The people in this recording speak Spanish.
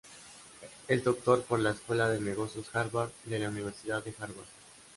Es doctor por la Escuela de Negocios Harvard de la Universidad de Harvard.